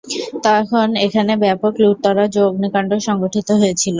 তখন এখানে ব্যাপক লুটতরাজ ও অগ্নিকাণ্ড সংঘটিত হয়েছিল।